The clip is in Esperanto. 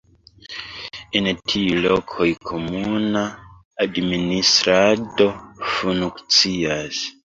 En tiuj lokoj komuna administrado funkcias.